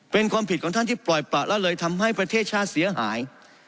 เป็นความผิดของท่านที่ปล่อยปะละเลยทำให้ประเทศชาติเสียหาย